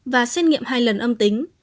và xét nghiệm hai lần âm tính